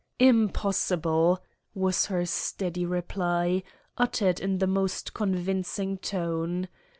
"Impossible!" was her steady reply, uttered in the most convincing tone.